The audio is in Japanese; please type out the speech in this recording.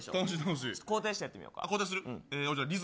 交代してやってみようか。